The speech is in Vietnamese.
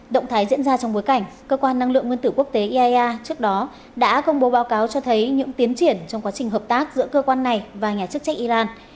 động thái diễn ra trong bối cảnh cơ quan năng lượng nguyên tử quốc tế iaea trước đó đã công bố báo cáo cho thấy những tiến triển trong quá trình hợp tác giữa cơ quan này và nhà chức trách iran